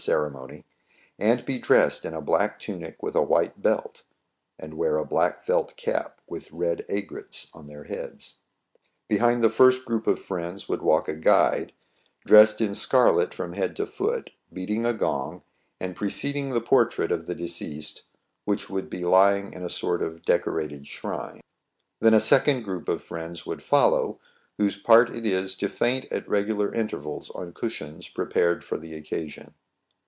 ceremony, and be dressed in a black tunic with a white belt, and wear a black felt cap with red aigrettes on their heads. Behind the first group of friends would walk a guide dressed in 74 TRIBULATIONS OF A CHINAMAN. scarlet from head to foot, beating a gong, and pre ceding the portrait of the deceased, which would be lying in a sort of decorated shrine. Then a second group of friends would follow, whose part it is to faint at regular intervals on cushions prepared for the occasion.